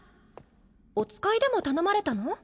お使いでも頼まれたの？